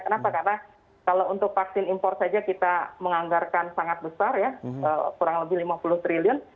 kenapa karena kalau untuk vaksin impor saja kita menganggarkan sangat besar ya kurang lebih lima puluh triliun